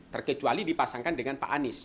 terkecuali dipasangkan dengan pak anies